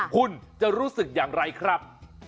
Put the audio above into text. คุณจะรู้สึกอย่างไรครับ